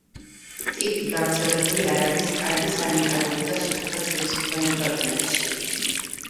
ტიფი გავრცელებული არ არის კარგი სანიტარული და სუფთა წყლის მქონე ქვეყნებში.